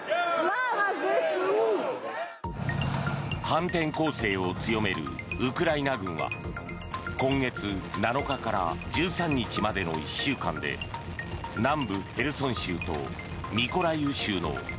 反転攻勢を強めるウクライナ軍は今月７日から１３日までの１週間で南部ヘルソン州とミコライウ